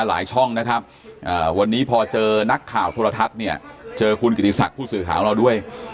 ช่องนะครับวันนี้พอเจอนักข่าวโทรทัศน์เนี่ยเจอคุณกิติศักดิ์ผู้สื่อข่าวของเราด้วย